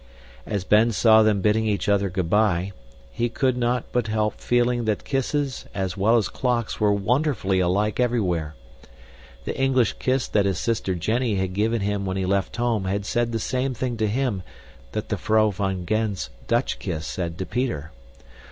As Ben saw them bidding each other good bye, he could not help feeling that kisses as well as clocks were wonderfully alike everywhere. The English kiss that his sister Jenny had given him when he left home had said the same thing to him that the Vrouw van Gend's Dutch kiss said to Peter.